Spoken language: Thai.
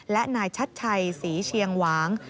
และนายชัดชัยศรีเชียงหวาง